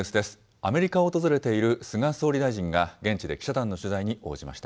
アメリカを訪れている菅総理大臣が、現地で記者団の取材に応じました。